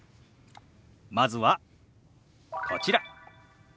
まずはこちら。